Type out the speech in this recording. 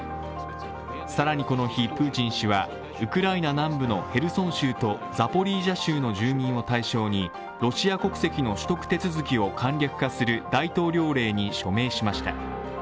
更にこの日、プーチン氏はウクライナ南部のヘルソン州とザポリージャ州の住民を対象にロシア国籍の取得手続きを簡略化する大統領令に署名しました。